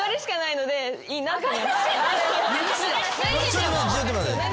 ちょっと待ってちょっと待って。